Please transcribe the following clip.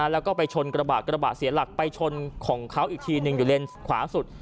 แล้วก็ไปชนกระบะกระบะเสียหลักไปชนของเขาอีกทีหนึ่งอยู่เลนขวาสุด